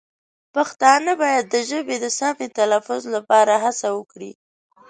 پښتانه باید د ژبې د سمې تلفظ لپاره هڅه وکړي.